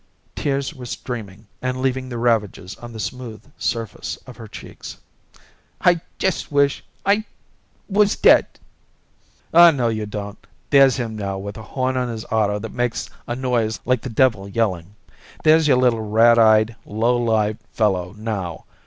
Tears were streaming and leaving their ravages on the smooth surface of her cheeks. "I just wish I I was dead." "Aw, no, you don't! There's him now, with a horn on his auto that makes a noise like the devil yelling! There's your little rat eyed, low lived fellow, now.